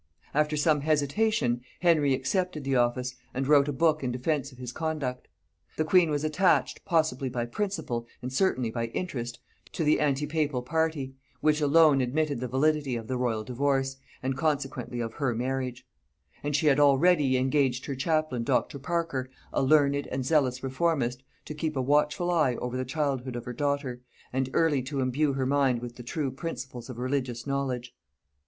After some hesitation, Henry accepted the office, and wrote a book in defence of his conduct. The queen was attached, possibly by principle, and certainly by interest, to the antipapal party, which alone admitted the validity of the royal divorce, and consequently of her marriage; and she had already engaged her chaplain Dr. Parker, a learned and zealous reformist, to keep a watchful eye over the childhood of her daughter, and early to imbue her mind with the true principles of religious knowledge.